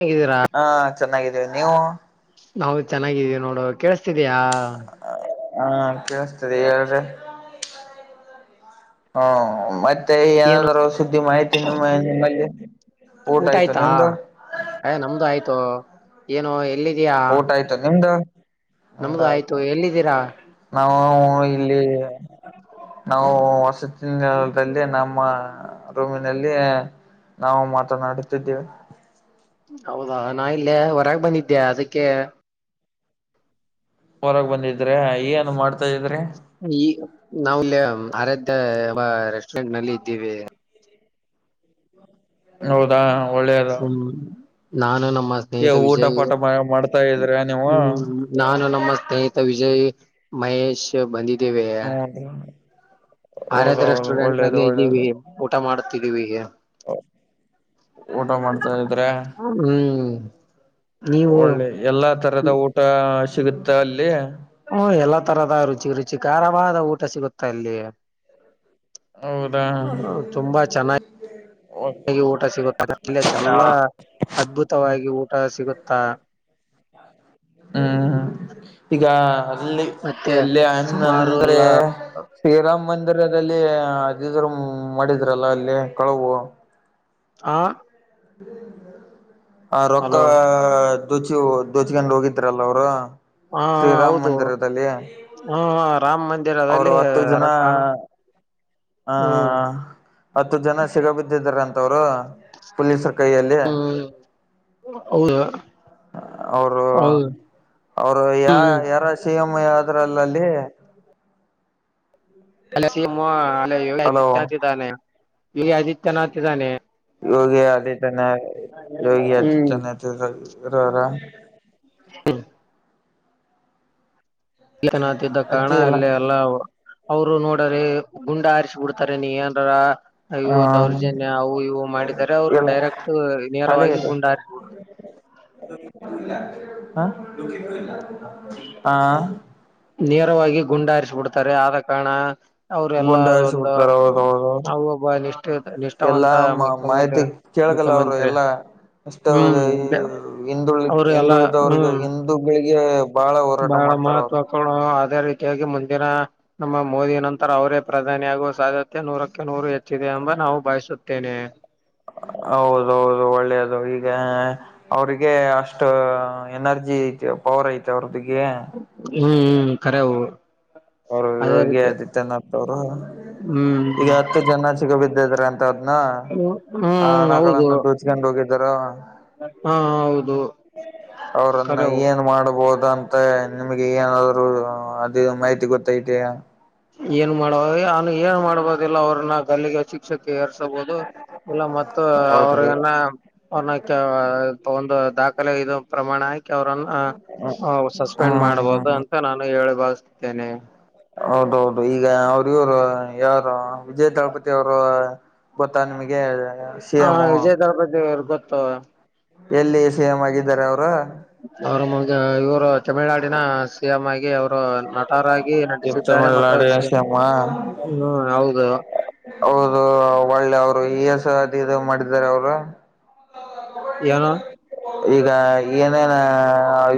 ಹೇಗಿದ್ದೀರ? [inaudible] ಹಾ ಚೆನ್ನಾಗಿದ್ದೀವಿ, ನೀವು? [inaudible] ನಾವು ಚೆನ್ನಾಗಿದೀವಿ ನೋಡು ಕೇಳಸ್ತಿದೀಯಾ? [inaudible] ಹಾ ಕೇಳಸ್ತಾ ಇದೆ. ಹೇಳ್ರಿ? [inaudible] ಹೌವ ಮತ್ತೆ ಏನು ಏನಾದರೂ ಸುದ್ದಿ ಮಾಹಿತಿ ನಿಮ್ಮ ನಿಮ್ಮಲ್ಲಿ? [inaudible] ಊಟ ಆಯ್ತು ಆಯ್ತಾ? ನಿಮ್ದು ಅಯ್ ನಮ್ದು ಆಯ್ತು, ಏನು ಎಲ್ಲಿ ಇದ್ದೀಯಾ? [inaudible] ಸೆಕೆಂಡ್ ನಿಮ್ದ ಆಯ್ತ ಎಲ್ಲಿದ್ದೀರಾ ನಾವು ಇಲ್ಲಿ [inaudible] ನಾವು ವಸತಿ ನಿಲಯದಲ್ಲಿ ನಮ್ಮ ರೂಮಿನಲ್ಲಿ [inaudible] ನಾವು ಮಾತನಾಡುತ್ತಿದ್ದೇವೆ. [inaudible] ಹೌದಾ ನಾ ಇಲ್ಲೇ ಹೊರಗ್ ಬಂದಿದ್ದೆ ಅದಕ್ಕೆ. [inaudible] ಹೊರಗ್ ಬಂದಿದ್ರೆ ಏನ್ ಮಾಡ್ತಾ ಇದ್ರಿ? [inaudible] ಈ ನಾವ್ ಇಲ್ಲಿ ಆರಾಧ್ಯರಾ ರೆಸ್ಟೋರೆಂಟ್ ನಲ್ಲಿ ಇದ್ದೀವಿ. [inaudible] ಹೌದಾ ಒಳ್ಳೆ [inaudible] ಹೂ ನಾನು ನಮ್ಮ ಏ ಸ್ನೇಹಿತ ಊಟ ವಿಜಯ್, ಪಾಠ ಮಾಡ್ತಾ ಇದ್ರ ನೀವು ಹೂ [inaudible] ನಾನು ನಮ್ಮ ಸ್ನೇಹಿತ ವಿಜಯ್ ಮಹೇಶ್ ಬಂದಿದ್ದೇವೆ? [inaudible] ಏನು? [inaudible] ಆರಾಧ್ಯ ರೆಸ್ಟೋರೆಂಟ್ ನಲ್ಲಿ ಇದ್ದೀವಿ, ಊಟ ಮಾಡ್ತಿದ್ದೀವಿ. [inaudible] ಅ ಊಟ ಮಾಡ್ತಾ ಇದರೇ? [inaudible] ಹೌದ ಹೂ [inaudible] ಒಳ್ಳೆಯ ಎಲ್ಲಾ ತರದ ಊಟಾ ಸಿಗುತ್ತಾ ಅಲ್ಲಿ? [inaudible] ಹೂ ಎಲ್ಲಾ ತರದ ರುಚಿ ರುಚಿಕಾರವಾದ ಊಟ ಸಿಗುತ್ತೆ ಅಲ್ಲಿ. [inaudible] ಹೌದಾ ಹ ಹ ತುಂಬಾ ಚೆನ್ನಾಗಿ [inaudible] ಮನೆಗ ಊಟ ಸಿಗುತ್ತ ಅದಲ್ಲ ಚೆಲ್ಲ ಅದ್ಭುತವಾಗಿ ಊಟ ಸಿಗುತ್ತಾ? [inaudible] ಹ್ಮ್ ಈಗ ಅಲ್ಲಿ ಮತ್ತೆ ಎಲ್ಲಿ ಅನ್ ಸುಮಾರು ಅಂದ್ರೆ ಎಲ್ಲ ಶ್ರೀರಾಮ್ ಮಂದಿರದಲ್ಲಿ ಅದಿದ್ರು ಹೂ ಮಾಡಿದ್ರಲ್ಲ ಅಲ್ಲಿ ಕಳವು. ಆ ಹ ರೊಕ್ಕಾ ಹಲೋ ದೋಚಿ ಓ ದೋಚಕಂಡ್ ಹೋಗಿದ್ರಲ್ಲ ಅವರು ಶ್ರೀರಾಮ್ ಮಂದಿರದಲ್ಲಿ. ಹ್ಮ್ ರಾಮ್ ಅವರು ಮಂದಿರದಲ್ಲಿ ರೊಕ್ ಹಣ ಹಾ ಹತ್ತು ಜನ ಸಿಗಾ ಬಿದ್ದಿದಾರೆ ಅಂತವರು ಪೊಲೀಸ್ರು ಕೈಯಲ್ಲಿ. ಹೌದಾ. ಅವರು ಅವರು ಯಾ ಹ್ಮ್ ಯಾರ ಸಿ ಎಂ ಆದ್ರಲ್ಲ ಅಲ್ಲಿ ಅಲ್ಲಿ ಸಿ ಎಂ ಅಲ್ಲಿ ಯೋಗಿ ಹಲೋ ಆದಿತ್ಯ ಅಂತಿದ್ದಾನೆ ಇಲ್ಲಿ ಆದಿತ್ಯನಾಥ್ ಇದ್ದಾನೆ. ಯೋಗಿ ಆದಿತ್ಯನಾ ಯೋಗಿ ಹ್ಮ್ ಆದಿತ್ಯನಾಥ್ ರವರ ಹ್ಮ ಇಲ್ಲಿ ಆದಿತ್ಯನಾಥ್ ಕಾರಣ ಅಲ್ಲಿ ಎಲ್ಲ ಅ ಅವರು ನೋಡರೆ ಗುಂಡ ಹಾರಿಸ್ ಬುಡ್ತಾರೆ ನೀ ಏನ್ರಾ ಅ ಹ ದೌರ್ಜನ್ಯ ಅವು ಇವು ಮಾಡಿದರೆ ಅವ್ರು ಎಲ್ಲ ಡೈರೆಕ್ಟ್ ನೇರವಾಗಿ ಶಾಲೆಗೆ ಗುಂಡಾ ಹಾರಿಸ್ ಹ [unintelligible] ಹಾ ನೇರವಾಗಿ ಗುಂಡು ಹಾರಿಸಿಬಿಡ್ತಾರೆ ಆದ ಕಾರಣ ಅವರು ಎಲ್ಲಾ ಗುಂಡಾರಿಸಿ ಒಂದು ಬಿಡ್ತಾರ ಹೌದ ಹೌದು ನಾವು ಒಬ್ಬ ನಿಷ್ಠೆ ಎಲ್ಲಾ ನಿಷ್ಠಾವಂತ ಮಾಹಿತಿ ಮುಖ್ಯಮಂತ್ರಿ ಕೇಳಗಲ್ಲ ಅವರು ಮುಖ್ಯಮಂತ್ರಿ ಎಲ್ಲಾ ಅಷ್ಟು ಹ್ಮ್ ಊ ಹಿಂದುಳಿ ಅವರು ಎಲ್ಲಾ ಹಿಂದುಳಿದವ ವರ್ಗ ಹ್ಮ್ ಹಿಂದ್ ಅದು ಬೆಳಿಗ್ಗೆ ಬಹಳ ಮಹತ್ವಪೂ ಅದೇ ರೀತಿಯಾಗಿ ಮುಂದಿನ ನಮ್ಮ ಮೋದಿ ನಂತರ ಅವರೇ ಪ್ರಧಾನಿ ಆಗುವ ಸಾಧ್ಯತೆ ನೂರಕ್ಕೆ ನೂರು ಹೆ ಚ್ಚಿದೆ ಎಂಬ ನಾವು ಬಯಸುತ್ತೇನೆ. ಹೌದೌದು ಒಳ್ಳೇದು ಈಗ ಅವ್ರಿಗೆ ಅಷ್ಟ್ ಅಷ್ಟ ಏನರ್ಜಿ ಐತೆ ಪವರ್ ಐತೆ ಅವ್ರದಿಗೆ. ಹ್ಮ್ ಕರೆವು ಅವರು ಅದೇ ಯೋಗಿ ರೀತಿ ಆದಿತ್ಯನಾಥ್ ಅವರು ಹ್ಮ್ ಈಗ ಹತ್ತು ಜನ ಸಿಗ ಬಿದ್ದಿದ್ರೆ ಅಂತ್ ತದ್ನ ಆ ಹ್ಮ್ ಹೌದು ಹಣಗಳನ್ನು ದೊಚ್ಕೊಂಡ್ ಹೋಗಿದ್ದಾರು. ಹಾ ಹೌದು ಅವ್ರನ್ನ ಕರೆವು ಏನ್ ಮಾಡ್ಬೋದು ಅಂತ್ ತ್ತೆ ನಿಮಗೆ ಏನಾದ್ರು ಅದು ಮಾಹಿತಿ ಗೊತ್ತೈತೆ. ಏನ್ ಮಾಡುವ ಅವನು ಏನ್ ಮಾಡ್ಬೋದಿಲ್ಲ ಅವ್ರನ್ನ ಗಲ್ಲಿಗೆ ಹಚಿ ಪಕ್ಷಕ್ಕೆ ಏರ್ಸಬಹುದು ಇಲ್ಲ ಮತ್ತು ಹೌದೌದು ಅವ್ರನ್ನ ಅವರ್ನ ಕೆಲ ಒಂದು ದಾಖಲೆ ಇರುವ ಪ್ರಮಾಣ ಆಕಿ ಕಿ ಅವ್ರನ್ನ ಸಸ್ಪೆಂಡ್ ಮಾಡ್ಬಹುದು ಹ್ಮ್ ಅಂತ ನಾನು ಹೇಳಿ ಬಾಗಿಸುತ್ತೆನೆ ಹೌದೌದು ಈಗ ಅವ್ರ ಇವರು ಹೇಳೋದೂ ವಿಜಯ ದಳಪತಿ ಅವರು ಗೊತ್ತಾ ನಿಮ್ಗೆ ಹಾ ವಿಜಯ ದಳಪತಿಯವರು ಗೊತ್ತು. ಎಲ್ಲಿ ಸಿಎಂ ಆಗಿದ್ದಾರೆ ಅವರು ಅವ್ರ ಮು ಇವರು ತಮಿಳ್ನಾಡಿನ ಸಿ ಎಂ ಆಗಿ ಅವರು ನಟರಾಗಿ ನಟಿಸಿದ್ದಾರೆ ಮತ್ತು ತಮಿಳ್ನಾಡು ಸಿ ಎ ಶಮ ಹ್ಮ್ ಹೌದು ಹೌದು ಒಳ್ಳೆ ಅವ್ರು ಈಸ ಅದು ಇದು ಮಾಡಿದಿದ್ದಾರೆ ಅವರು ಏನು ಈಗ ಏನೇನು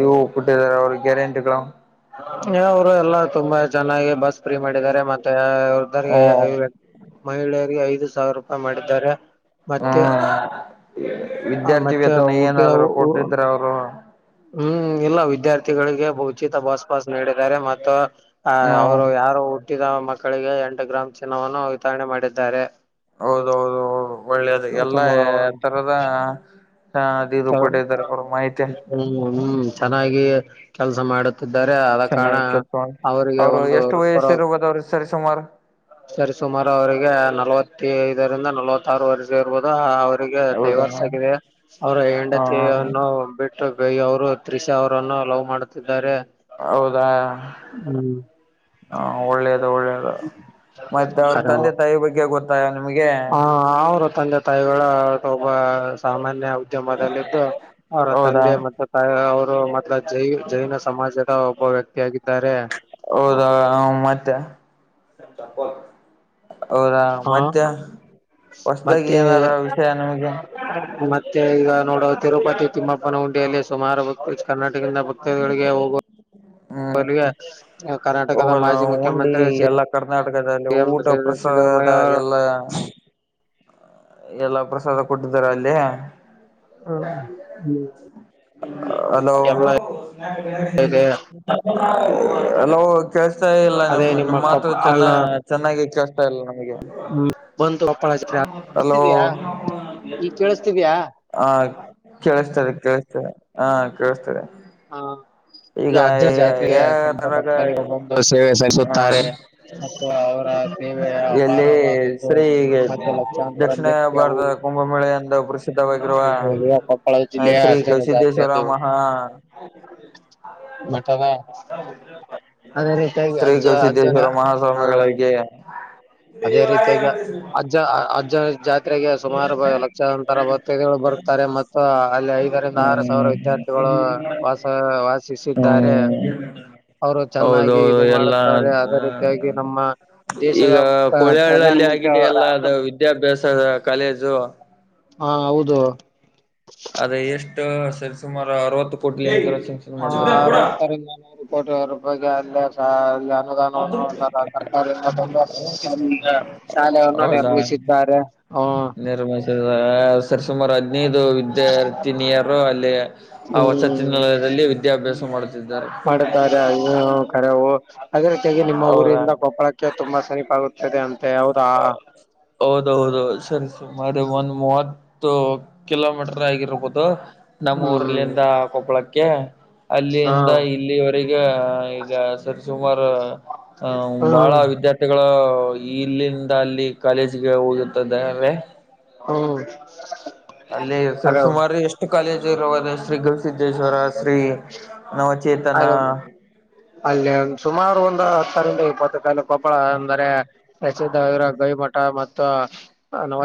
ಇವು ಪುಟ್ಟಿದ್ದಾರೆ ಅವ್ರ ಗ್ಯಾರಂಟಿಗಳು. ಅವರು ಎಲ್ಲಾ ತುಂಬಾ ಚೆನ್ನಾಗಿ ಬಸ್ ಫ್ರೀ ಮಾಡಿದ್ದಾರೆ ಮತ್ತೆ ಹ್ಮ ವೃದ್ದರಿಗೆ ಮಹಿಳೆಯರಿಗೆ ಐದು ಸಾವಿರ ರೂಪಾಯಿ ಮಾಡಿದ್ದಾರೆ ಮತ್ತೆ ಹ್ಮ್ ವಿದ್ಯಾರ್ಥಿ ಮತ್ತೆ ವೇತನ ಊಟ ಏನಾದ್ರು ಕೊಟ್ಟಿದ್ರ ಅವರ್ ಹ್ಮ್ ಇಲ್ಲ ವಿದ್ಯಾರ್ಥಿಗಳಿಗೆ ಉಚಿತ ಬಸ್ ಪಾಸ್ ನೀಡಿದ್ದಾರೆ ಮತ್ತು ಆ ಹ್ಮ ಅವ್ರು ಯಾರು ಹುಟ್ಟಿದ ಮಕ್ಕಳಿಗೆ ಎಂಟು ಗ್ರಾಮ್ ಚಿನ್ನವನ್ನು ವಿತರಣೆ ಮಾಡಿದ್ದಾರೆ ಹೌದೌದುದೌದು ಒಳ್ಳೇದು ಎಲ್ಲಾ ತುಂಬಾ ತರದ ಇದು ಕೊಟ್ಟಿದಾರೆ ಅವ್ರು ಮಾಹಿತಿ ಹ್ಮ್ ಹ್ಮ್ ಚೆನ್ನಾಗಿ ಕೆಲಸ ಮಾಡುತ್ತ ತಿದ್ದಾರೆ ಆದ ಕಾರಣ ಚೆನ್ನಾಗಿ ಕೆಲ್ಸ ಮಾಡಿ ಅವರಿಗೆ ಅವ್ರು ಒಂದು ಎಷ್ಟು ವೃತಪುರ ವಯಸ್ಸಿರ್ಬೋದ ಅವ್ರ ಸರಿ ಸುಮಾರ ಸರಿಸುಮಾರು ಅವರಿಗೆ ನಲವತ್ತೈದರಿಂದ ನಲವತ್ತ ಆರು ವರ್ಷ ಇರ್ಬೋದು ಆ ಅವರಿಗೆ ಹೌದಾ ಡೈವರ್ಸ್ ಆಗಿದೆ ಅವರ ಹಾ ಹೆಂಡತಿಯನ್ನು ಬಿಟ್ಟ ಟು ಅವರು ತ್ರಿಶಾ ಅವರನ್ನು ಲವ್ ಮಾಡುತ್ತಿದ್ದಾರೆ ಹೌದಾ ಹ್ಮ ಒಳ್ಳೇದು ಒಳ್ಳೇದು ಮತ್ತೆ ಅವ್ರ ಕರೆವು ತಂದೆ ತಾಯಿ ಬಗ್ಗೆ ಗೊತ್ತಾಯ ನಿಮ್ಗೆ ಹ ಅವರು ತಂದೆ ತಾಯಿಗಳ ಒಬ್ಬ್ ಸಾಮಾನ್ಯ ಮಾಧ್ಯಮಲ್ಲಿದ್ದು ಅವರ ಹೌದಾ ತಂದೆ ಮತ್ತ ಅವರು ಮತ್ತ ಜೈ ಜೈನ ಸಮಾಜದ ಒಬ್ಬ ವ್ಯಕ್ತಿ ಆಗಿದ್ದಾರೆ ಹೌದಾ ಹ್ಮ್ ಮತ್ತೆ ಹೌದಾ ಹ ಮತ್ತೆ ಹೊಸದಾಗಿ ಮತ್ತೆ ಏನಾರ ವಿಷಯ ನಮಗೆ ಮತ್ತೆ ಈಗ ನೋಡು ತಿರುಪತಿ ತಿಮ್ಮಪ್ಪನ ಉುಂಡಿಯಲ್ಲಿ ಸುಮಾರು ಭಕ್ತ ಕರ್ನಾಟಕದಿಂದ ಭಕ್ತಾದಿಗಳಿಗೆ ಹೋಗುವ ಹ್ಮ್ ಗೆ ಕರ್ನಾಟಕದ ಹೋಗಲ್ಲ ಮಾಜಿ ಉಂಡಿ ಮುಖ್ಯಮಂತ್ರಿ ಸಿ ಎಲ್ಲಾ ಕರ್ನಾಟಕದಲ್ಲಿ ಎಂ ಊಟ ಪ್ರಸಾದ ಸಿದ್ದರಾಮಯ್ಯ ಎಲ್ಲ್ ಎಲ್ಲ ಪ್ರಸಾದ ಕೊಟ್ಟಿದ್ದಾರ ಅಲ್ಲಿ [inaudible] ಹಾ ಹ್ಮ ಹಲೋ ಇದೆ ಹಲೋ ಕೇಳಸ್ತಾ ಇಲ್ಲ ಅದೇ ನಿಮ್ಮ ನಿಮ್ಮ ಮಾತು ಕೊಪ್ಪ ಚೆನ್ನ ಅಲ್ಲ ಚೆನ್ನಾಗಿ ಕೇಳಸ್ತಾ ಇಲ್ಲ ನಮ್ಗೆ ಹ್ಮ್ ಬಂತು [unintelligible] ಹಲೋ ಕೇಳಿಸ್ತಿದಿಯಾ ಈಗ ಕೇಳಿಸ್ತಿದಿಯಾ ಹಾ ಕೇಳಸ್ತಿದೆ ಕೇಳಸ್ತಿದೆ ಹಾ ಕೇಳಸ್ತಿದೆ ಹಾ ಈಗ ಅಜ್ಜ ಜಾತ್ರೆಗೆ ಸಕಲ ಯಾವದ್ರಾಗ ಭಕ್ತಾದಿಗಳು ಬಂದು ಸೇವೆ ಹ ಸಲಿಸುತ್ತಾರೆ ಮತ್ತು ಅವರ ಸೇವೆ ಎಲ್ಲಿ ಅಪಾರವಾದದ್ದು ಸರಿ ಈಗ ಮತ್ತೆ ಲಕ್ಷಾಂತರ ಮಿರ್ಚಿ ಅವು [unintelligible] ಸಿದ್ಧವಾಗಿರುವ ಕೊಪ್ಪಳ ಜಿಲ್ಲೆಯ ಶ್ರೀ ಅಜ್ಜನ ಗವಿಸಿದ್ದೇಶ್ವರ ಮಹ್ ಮಠದ್ ಅದೇ ರೀತಿಯಾಗಿ ಶ್ರೀ ಅಜ್ಜ ಅಜ್ಜನ ಗವಿಸಿದ್ದೇಶ್ವರ ಹಾ ಮಹಾಸ್ವಾಮಿಗಳಿಗೆ ಅದೇ ರೀತಿಯಾಗಿ ಅಜ್ಜ ಅ-ಅಜ್ಜ ಜಾ ಜಾತ್ರೆಗೆ ಸುಮಾರು ಲಕ್ಷಾಂತರ ಭಕ್ತಾದಿಗಳು ಬರುತ್ತಾರೆ ಮತ್ತು ಅಲ್ಲಿ ಐದರಿಂದ ಆರು ಸಾವಿರ ಹ್ಮ್ ವಿದ್ಯಾರ್ಥಿ ಗಳು ವಾಸ ವಾಸಿಸಿದ್ದಾರೆ ಹ್ಮ್ ಅವರು ಚೆನ್ನಾಗಿ ಹೌದೌದು ಇದು ಎಲ್ಲಾ ಮಾಡುತ್ತಾರೆ ಅದೇ ರೀತಿಯಾಗಿ ನಮ್ಮ ಈಗ ದೇಶದ ಪ್ರಧಾನ ಕೋಳಿಹಳ್ಳಲ್ಲಿ ಮಂತ್ರಿ ಆಗಿದೆ ಅವರ್ ಎಲ್ಲ ಅದು ವಿದ್ಯಾಭ್ಯಾಸದ ಕಾಲೇಜು ಹಾ ಹೌದು ಅದ ಎಷ್ಟು ಸರಿ ಸುಮಾರು ಅರವತ್ತು ಕೋಟ [unintelligible] ಹಾ ಅರವತ್ತರಿಂದ ನೂರು ಕೋಟಿ ರೂಪಾಯಗೆ ಅಂದಾಜ್ [unintelligible] ಈಗ ಅಲ್ಲ್ ಅನ್ನದಾನವನ್ನು [unintelligible] ಸರ್ಕಾರ [unintelligible] ಶಾಲೆಯನ್ನು ನಿರ್ಮಿಸಿದ್ದಾರೆ. ಹ ನಿರ್ಮಿಸದ ಸರಿ ಸುಮಾರು ಹದ್ನೈದು ವಿದ್ಯಾರ್ಥಿನಿಯರು ಅಲ್ಲಿ ಆ ಹ್ಮ್ ವಸತಿನೀಲಯದಲ್ಲಿ ವಿದ್ಯಾಭ್ಯಾಸ ಮಾಡುತ್ತಿದ್ದಾರೆ. ಅರೆ ಓ ಅದೆ ರೀತಿಯಾಗಿ ನಿಮ್ಮ ಹೌದಾ ಊರಿಂದ ಕೊಪ್ಪಳಕ್ಕೆ ತುಂಬಾ ಸನಿಪ ಆಗುತ್ತದೆ ಅಂತೆ ಹೌರ. ಹೌದೌದು ಸರಿ ಸುಮಾರು ಒಂದ್ ಮೂವತ್ತು. ಕಿಲೋಮೀಟರ್ ಆಗಿರ್ಬೋದು ನಮ್ಮ ಹ್ಮ್ ಊರಲ್ಲಿಂದ ಕೊಪ್ಪಳಕ್ಕೆ. ಹಾ ಅಲ್ಲಿಯಂದ ಇಲ್ಲಿವರೆಗೆ ಈಗ ಸರಿಸುಮಾರ ಅ ಬಹಳ ಹ್ಮ್ ವಿದ್ಯಾರ್ಥಿಗಳು ಇಲ್ಲಿಂದ ಅಲ್ಲಿ ಕಾಲೇಜ್ಗ ಹೋಗುತ್ತದ್ದಾವೆ. ಹ್ಮ. ಅಲ್ಲಿ ಸರಿ ಸುಮಾರು ಎಷ್ಟು ಕಾಲೇಜ್ ಇರುವದ ಶ್ರೀ ಗರುಸಿದ್ದೇಶ್ವರ ಶ್ರೀ. ನವಚೇತನ. ಅಲ್ಲೇ ಸುಮಾರ ಒಂದ ಹತ್ತರಿಂದ ಇಪ್ಪತ್ತ ತಾಲೂ ಕೊಪ್ಪಳ ಅಂದರೆ ಪ್ರಸಿದ್ಧವಾಗಿರುವ ಗವಿ ಮಠ ಮತ್ತು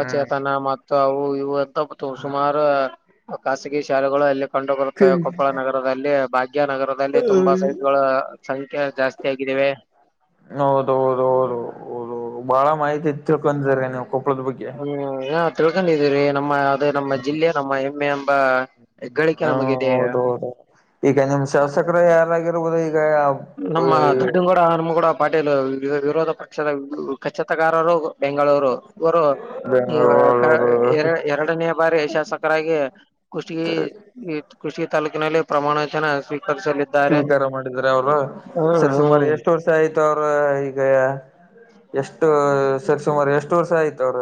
ಹ್ಮ್ ಮತ್ ತ್ತು ಅವು ಇವು ಅತ್ತು ಸುಮಾರ ಖಾಸಗಿ ಶಾಲೆಗಳು ಅಲ್ಲಿ ಕಂಡು ಬರುತ್ತವೆ ಕೊಪ್ಪಳ ನಗರದಲ್ಲಿ ಭಾಗ್ಯ ನಗರ. ಅಲ್ಲಿ ತುಂಬಾ ಸೈಟಗಳ ಸಂಖ್ಯೆ ಜಾಸ್ತಿ ಆಗಿದವೆ. ಹೌದ ಹೌದು ಹೌದು ಓದು ಓ ಬಾಳ ಮಾಹಿತಿ ತಿಳ್ಕೊಕೊಂಡಿರಿ ನೀವ. ಕೊಪ್ಪದ ಬಗ್ಗೆ ಹ್ಮ ನ ತಿಳ್ಕೊಂಡಿದೀರಿ ನಮ್ಮ ಅದೇ ನಮ್ಮ ಜಿಲ್ಲೆ ನಮ್ಮ ಹೆಮ್ಮೆ ಎಂಬ. ಹೆಗ್ಗಳಿಕೆ ಹ ನಮಗಿದೆ ಹೌದ ಹೌದು ಈಗ ನಿಮ್ಮ ಶಾಸಕರು ಯಾರಾಗಿರ್ಬೋದು ಈಗ. ನಮ್ಮ ದೊಡ್ಡನ ಗೌಡ ಹಣಮ ಗೌಡ ಪಾಟೀಲ್ ವಿರೋಧ ಪಕ್ಷದ ಕಚತಗಾರರು. ಬೆಂಗಳೂರು ವರು ಇ ಕ ಬೆಂಗಳೂರು ಯ ಎರಡನೇ ಬಾರಿ ಶಾಸ ಕರಗಿ ಕುಷ್ಟಗಿ ಕೃಷಿ ತಾಲೂಕಿನಲ್ಲಿ ಪ್ರಮಾಣ ವಚನ ಸ್ವೀ ಷ್ಟು ಉದ್ದಾರ ಮಾಡಿದರ ಅವ್ರು ಹ್ಮ್ ಸ ಸುಮಾರು ಹ್ಮ್ ಎಷ್ಟ ವರ್ಷ ಆಯ್ತು ಅವ್ರ ಈಗ ಎಷ್ಟು. ಸರಿ ಸುಮಾರು ಎಷ್ಟು ವರ್ಷ ಆಯತ ಅವ್ರ.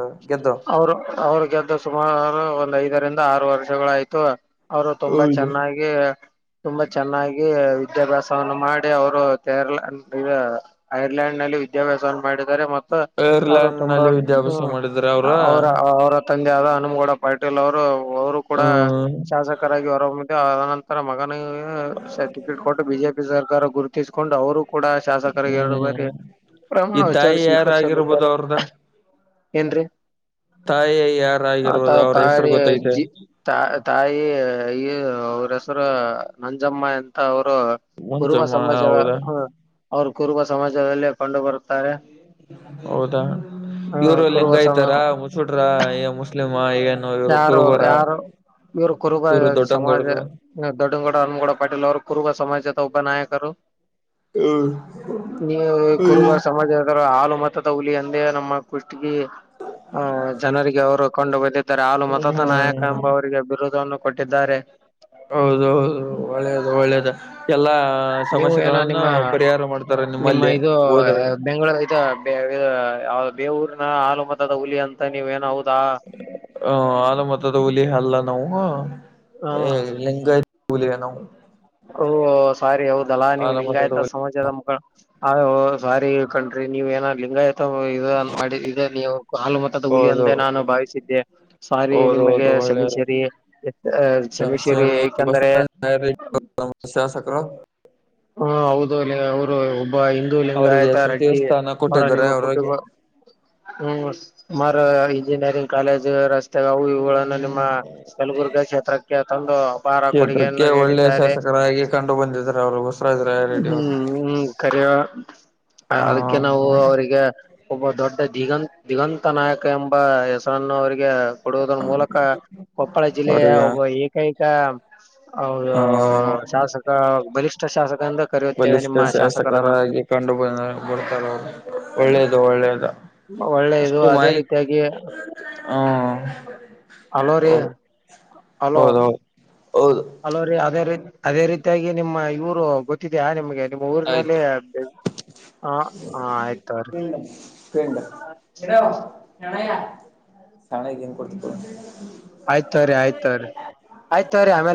ಅವರ ಅವ್ರ ಗೆದ್ದ ಸುಮಾರು ಒಂದ ಐದರಿಂದ ಆರು ವರ್ಷಗಳ ಅಯ್ತು. ಅವರು ತುಂಬಾ ಹೌದು ಚೆನ್ನಾಗಿ. ತುಂಬಾ ಚೆನ್ನಾಗಿ ವಿದ್ಯಾಭ್ಯಾಸವನ್ನು ಮಾಡಿ ಅವರು ತೇರ್ಲ ಅ ಐರ್ಲ್ಯಾಂಡ್ ನಲ್ಲಿ ವಿದ್ಯಾಭ್ಯಾಸ ಮಾಡಿದರೆ ಮತ್ತ ಅವರು ಐರ್ಲೆಂಡ್ ತುಂಬಾ ನಲ್ಲಿ ಹ್ಮ. ವಿದ್ಯಾಭ್ಯಾಸ ಮಾಡಿದ್ರ ಅವರು ಅವರ ಅವರ ತಂದೆ ಆದ ಹನುಮ್ಗೌಡ ಪಾಟೀಲ್ ಅವರು. ಅವರು ಕೂಡ ಹ್ಮ್ ಶಾಸಕರಾಗಿ ಹೊರಹಮ್ಮಿದ್ದ [unintelligible] ರ ಮಗನು ಸರ್ಟಿಫಿಕೇಟ್ ಕೊಟ್ಟು ಬಿಜೆಪಿ ಸರ್ಕಾರ ಗುರುತಿಸ್ಕೊಂಡು ಅವರು. ಕೂಡ ಶಾಸಕರಿಗೆ ಎರಡು ಬಾರಿ ಹ್ಮ್ ಪ್ರಮಾಣ ಈ ವಿಚಾರ ತಾಯಿ ಯಾರಾಗಿರ್ಬೋದು ಸ್ವೀಕರಿಸಲಿದ್ದಾರೆ. ಅವ್ರದ ಏನ್ರೀ ತಾಯಿ ಆತ ಯಾರಾಗಿರ್ಬೋದು ಅವ್ರ ಹೆಸರು ತಾಳಿ ಗೊತ್ತೈತೆ ಜ ತ ತಾಯಿ ಈ ಅವ್ರ ಹೆಸರ ಅಂಜಮ್ಮ ಅವರು ಕುರುಬ ಮುಂಜಮ್ಮ ಸಮಾಜ ಹೌದಾ ಹಾ ಅವರು ಕುರುಬ ಸಮಾಜದಲ್ಲಿ ಕಂಡು ಬರುತ್ತಾರೆ. ಹೌದಾ ಹ್ಮ ಇವರು ಕುರುಬ ಸಮ ಲಿಂಗಾಯ್ತಾರ ಮುಸುಲ್ರ ಮು ಯಾರು ಯಾರ ಇವ್ರ ಕುರುಬ ಇವರು ಸಮಾಜ. ದೊಡ್ಡಂಗೌಡರು ದೊಡಗೌಡ ಅನಮಗೌಡ ಪಾಟೀಲ್ ಅವರು ಕುರುಗ ಸಮಾಜದ ಒಬ್ಬ ನಾಯಕರು. ಹ್ಮ್ ನೀ ಕುರುಬ ಸಮಾಜ. ಹಾಲು ಮತದ ಹುಲಿ ಅಂದೆ ನಮ್ಮ ಕುಷ್ಟಗಿ ಆ ಜನರಿಗೆ ಅವರು ಕೊಂಡ ಬದಿದ್ದಾರೆ ಹಾಲು ಮತದ ನಾಯಕ ಎಂಬವರಿಗೆ ಬಿರುಧವನ್ನು ಕೊಟ್ಟಿದ್ದಾರೆ. ಹೌದ ಹೌದು ಒಳ್ಳೇದ ಒಳ್ಳೇದ ಎಲ್ಲಾ ಆ ನೀವು ಏನೋ ಸಮಸ್ಯೆಗಳನ್ನು ನಿಮ್ಮ ಪರಿಹಾರ ಮಾಡ್ತಾರೆ ನಿಮ್ಮಲ್ಲಿ ಹೋದರೆ. ಬೆಂಗಳೂರ್ ಬೇ ಊರಿನ ಹಾಲು ಮತದ ಹುಲಿ ಅಂತ ನೀವ್ ಏನೂ ಹೌದಾ ಹ ಹಾಲು ಮತದ ಹುಲಿ ಅಲ್ಲ ನಾವು ಹ ಹೆ ಲಿಂಗಾಯತ ಹುಲಿ ನಾವು ಓಹ ಸಾರಿ ಹೌದಲ್ಲಾ ನೀವು ಆಲ ಲಿಂಗಯಸ್ ಮತದ ಆಯ್ತಾ ಹುಲಿ ಸಮಾಜದ ಮಕ್ಕಳ ಸಾರಿ ಕಣ್ರಿ ನೀವ್ ಏನ ಲಿಂಗಯು ಇ ಇ ನೀವು ಹಾಲು ಮತದ ಹುಲಿ ಹೌದು ಎಂದೇ ನಾನು ಭಾವಿಸಿದ್ದೆ. ಸಾರಿ ನಿಮಗೆ ಹೌದೌದು ಒಳ್ಳೇದು ಶಮೀಶೇರಿ ಶಮೀಶೇರಿ ಏಕಂದ್ರೆ. ಸಮಸ್ಯ [unintelligible] ಶಾಸಕರು ಹ ಹೌದು ಅವರು ಒಬ್ಬ ಹಿಂದೂ ಅವರಿಗೆ ಲಿಂಗಾಯುತ ಸಚಿವ ರೆಡ್ಡಿ ಸ್ಥಾನ ಅವರ ಕೊಟ್ಟಿದ್ದಾರೆ ನಿಮ್ಮ ಕುಟುಂಬ ಅವ್ರಿಗೆ ಹ್ಮ್ ಸುಮಾರು ಇಂಜಿನಿಯರಿಂಗ್ ಕಾಲೇಜು ರಸ್ತೆ ಅವ ಇವುಗಳನ್ನು ನಿಮ್ಮ ಹ್ಮ್ ಕಲಬುರ್ಗ ಕ್ಷೇತ್ರಕ್ಕೆ ತಂದು ಅಪಾರ ಕ್ಷೇತ್ರಕ್ಕೆ ಕೊಡುಗೆಯನ್ನು ಒಳ್ಳೆ ನೀಡಿದ್ದಾರೆ. ಶಾಸಕರಾಗಿ ಕಂಡು ಬಂದಿದ್ರೂ ಅವ್ರಿಗ್ ಹ್ಮ್ ಹ್ಮ್ ಕರಿವ ಅದಕ್ಕೆ ಹ ನಾವು ಅವರಿಗೆ ಒಬ್ಬ ದೊಡ್ಡ ದಿಗಂತ್ ದಿಗಂತ ನಾಯಕ ಎಂಬ ಹೆಸರನ್ನು ಅವರಿಗೆ ಕೊಡುವುದರ ಮೂಲಕ ಕೊಪ್ಪಳ ಜಿಲ್ಲೆಯ ಅವರಿಗೆ ಒಬ್ಬ ಏ ಕೈಕ ಹೌದು ಹ ಶಾಸಕ ಬಲಿಷ್ಠ ಶಾಸಕ ಎಂದು ಕರೆಯುತ್ತೇವೆ ಬಲಿಷ್ಠ ನಿಮ್ಮ ಶಾಸಕರನ್ನು ಶಾಸಕರಾಗಿ ಕಂಡು ಬಂದ ಬರ್ತಾರೆ ಅವರು ಒಳ್ಳೇದು ಒಳ್ಳೇದು ಒಳ್ಳೆಯದು ಅಷ್ಟು ಅದೇ ಮಾಹಿತ್ ಹ್ಮ್ ಹಲೋ ರೀ ಹಲೋ ಹೌದೌದು ಹೌದು ಹಲೋ ರೀ ಅದೇ ರೀ ಅದೇ ರೀತಿಯಾಗಿ ನಿಮ್ಮ ಇವರು. ಇದ್ಯಾ ನಿಮ್ಗೆ ನಿಮ್ಮ ಊರಿನಲ್ಲಿ ಆಯ್ತು ಹ ಹ ಆಯ್ತ್ ತವ್ರೀ ಫ್ರೆಂಡ್ ಎದ್ದೇಳು ಏ ಅಣ್ಣಯ್ಯ ಶಾಲೆಗ್ ಏನ್ ಕೊಡ್ತಿ ತಗೋ ಆಯ್ತ್ ತಗೊರಿ ಆಯ್ತ್ ತಗೊರಿ ಆಯ್ತ್ ತಗೊರಿ ಆಮೇಲೆ